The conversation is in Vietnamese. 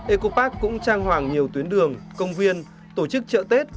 eco park cũng trang hoàng nhiều tuyến đường công viên tổ chức chợ tết